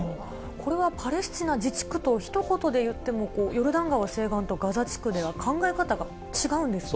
これは、パレスチナ自治区とひと言で言っても、ヨルダン川西岸とガザ地区では考え方が違うんですね。